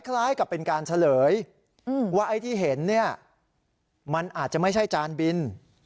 คล้ายกับเป็นการเฉลยว่าไอ้ที่เห็นเนี่ยมันอาจจะไม่ใช่จานบิน